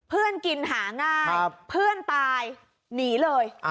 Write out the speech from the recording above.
กินหาง่ายเพื่อนตายหนีเลย